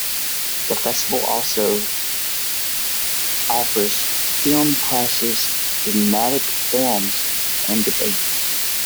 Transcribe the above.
The festival also offers film classes, thematic forums and debates.